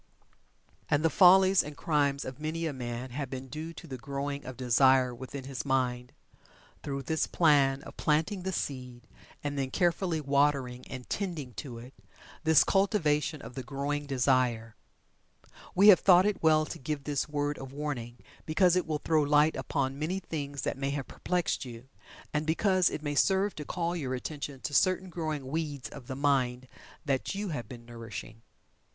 And the follies and crimes of many a man have been due to the growing of desire within his mind, through this plan of planting the seed, and then carefully watering and tending to it this cultivation of the growing desire. We have thought it well to give this word of warning because it will throw light upon many things that may have perplexed you, and because it may serve to call your attention to certain growing weeds of the mind that you have been nourishing.